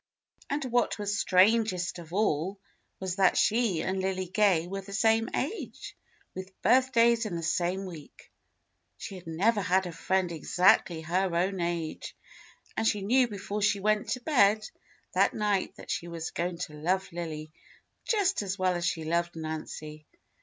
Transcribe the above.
And what was strangest of all was that she and Lily Gay were the same age, with birthdays in the same week. She had never had a friend exactly her own age, and she knew before she went to bed that night that she was going to love Lily just as well as she loved Nancy.